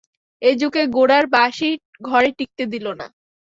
এ যুগে গোরার বাঁশি ঘরে টিঁকতে দিল না।